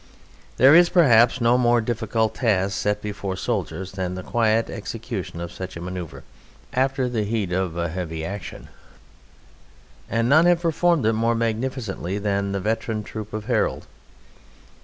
There is perhaps no more difficult task set before soldiers than the quiet execution of such a manoeuvre after the heat of a heavy action, and none have performed it more magnificently than the veteran troop of Harold.